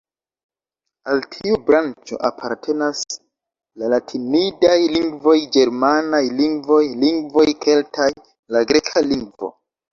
Al tiu branĉo apartenas la latinidaj lingvoj, ĝermanaj lingvoj, lingvoj keltaj, la greka lingvo.